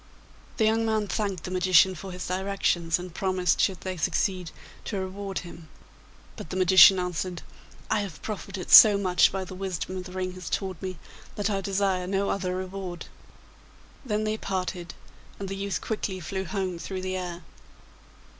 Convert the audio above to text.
The young man thanked the magician for his directions, and promised, should they succeed, to reward him. But the magician answered, 'I have profited so much by the wisdom the ring has taught me that I desire no other reward.' Then they parted, and the youth quickly flew home through the air.